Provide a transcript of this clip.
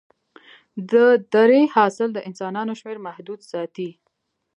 د درې حاصل د انسانانو شمېر محدود ساتي.